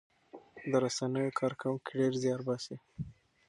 د رسنیو کارکوونکي ډېر زیار باسي.